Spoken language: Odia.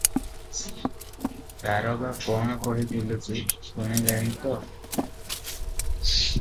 ଦାରୋଗା କଣ କହି ବୁଲୁଚି, ଶୁଣିଲେଣି ତ?